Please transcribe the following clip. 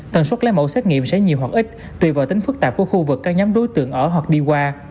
tần suất lấy mẫu xét nghiệm sẽ nhiều hoặc ít tùy vào tính phức tạp của khu vực các nhóm đối tượng ở hoặc đi qua